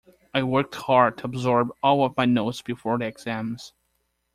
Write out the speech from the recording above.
I worked hard to absorb all of my notes before the exams.